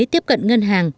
tiếp cận ngân hàng